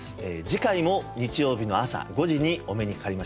次回も日曜日の朝５時にお目にかかりましょう。